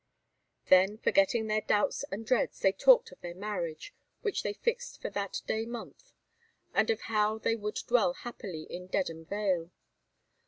Then, forgetting their doubts and dreads, they talked of their marriage, which they fixed for that day month, and of how they would dwell happily in Dedham Vale.